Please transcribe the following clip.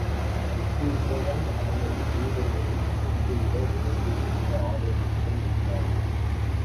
முஸ்லிம்கள் அனைவரும், யூதர்களைக் கொன்று விட வேண்டும் என்ற ஆவேசத்தோடு இருந்தார்கள்.